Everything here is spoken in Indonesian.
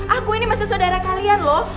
aku ini masih saudara kalian loh